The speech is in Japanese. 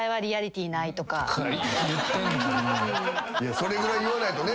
それぐらい言わないとね。